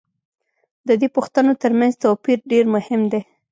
د دې پوښتنو تر منځ توپیر دېر مهم دی.